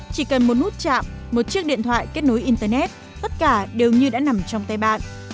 chỉ cần một nút chạm một chiếc điện thoại kết nối internet tất cả đều như đã nằm trong tay bạn